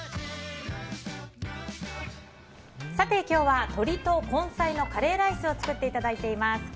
今日は鶏と根菜のカレーライスを作っていただいています。